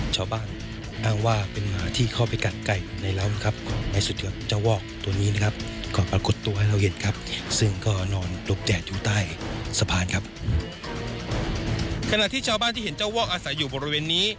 ขณะที่ชาวบ้านที่เห็นเจ้าวอกอาศัยอยู่เป็นที่